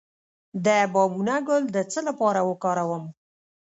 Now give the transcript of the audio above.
د بابونه ګل د څه لپاره وکاروم؟